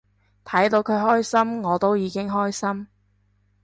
睇到佢開心我都已經開心